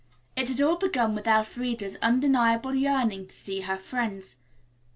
It had all begun with Elfreda's undeniable yearning to see her friends.